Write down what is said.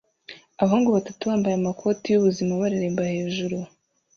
Abahungu batatu bambaye amakoti y'ubuzima bareremba hejuru